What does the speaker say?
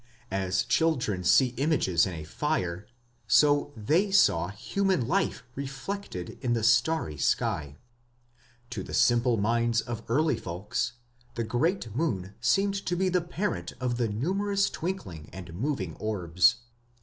As children see images in a fire, so they saw human life reflected in the starry sky. To the simple minds of early folks the great moon seemed to be the parent of the numerous twinkling and moving orbs.